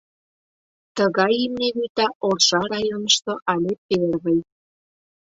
Тыгай имне вӱта Орша районышто але первый.